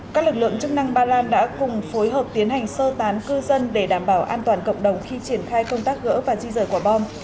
các lực lượng chức năng ba lan đã cùng phối hợp tiến hành sơ tán cư dân để đảm bảo an toàn cộng đồng khi triển khai công tác gỡ và di rời quả bom